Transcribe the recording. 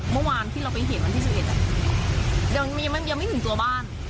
เมื่อวานที่เราไปเห็นวันที่๑๑ยังไม่ถึงตัวบ้าน